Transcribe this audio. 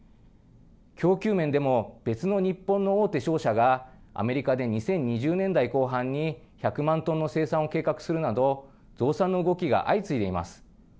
供給面でも別の日本の大手商社がアメリカで２０２０年代後半に１００万トンの生産を計画するなど増産の動きが相次いでいます。